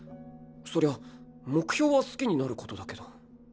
そりゃ目標は好きになることだけど。